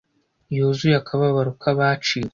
yuzuye akababaro k'abaciwe